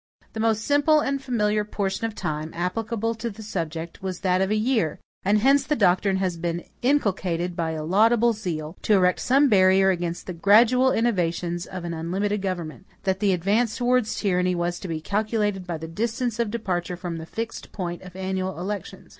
The most simple and familiar portion of time, applicable to the subject was that of a year; and hence the doctrine has been inculcated by a laudable zeal, to erect some barrier against the gradual innovations of an unlimited government, that the advance towards tyranny was to be calculated by the distance of departure from the fixed point of annual elections.